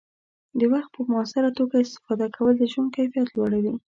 د وخت په مؤثره توګه استفاده کول د ژوند کیفیت لوړوي.